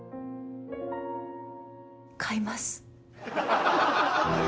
買います。